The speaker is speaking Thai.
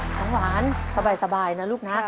ของหวานสบายนะลูกนะ